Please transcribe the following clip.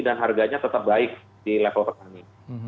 dan harganya tetap baik di level petani